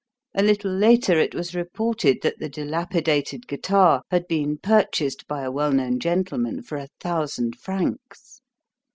A little later it was reported that the dilapidated guitar had been purchased by a well known gentleman for a thousand francs.